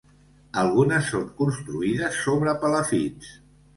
Algunes són construïdes sobre palafits.